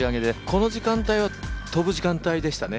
この時間帯は飛ぶ時間帯でしたね。